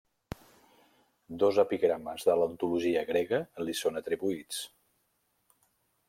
Dos epigrames de l'antologia grega li són atribuïts.